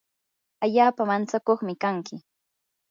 allaapa mantsakuqmi kanki.